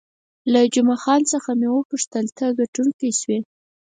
له جمعه خان څخه مې وپوښتل، ته ګټونکی شوې؟